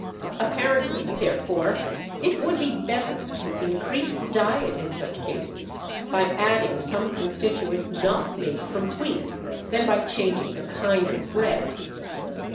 Apparently therefore it would be better to increase the diet in such cases by adding some constituent not made from wheat than by changing the kind of bread.